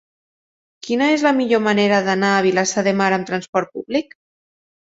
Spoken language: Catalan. Quina és la millor manera d'anar a Vilassar de Mar amb trasport públic?